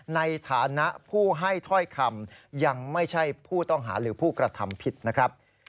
ในฐานะผู้ให้ถ้อยคำยังไม่ใช่ผู้ต้องหาหรือผู้กระทำผิดนะครับ